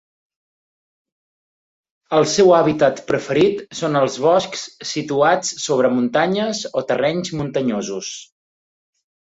El seu hàbitat preferit són els boscs situats sobre muntanyes o terrenys muntanyosos.